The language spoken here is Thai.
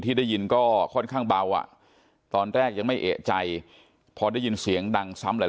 ได้ยินก็ค่อนข้างเบาอ่ะตอนแรกยังไม่เอกใจพอได้ยินเสียงดังซ้ำหลาย